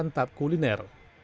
dan juga santab kuliner